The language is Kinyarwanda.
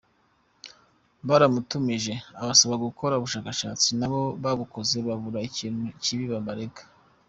Baramutumije abasaba gukora ubushakashatsi, nabo babukoze babura ikintu kibi babarega.